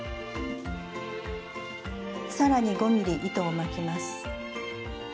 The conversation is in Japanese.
さらに５ｍｍ糸を巻きます。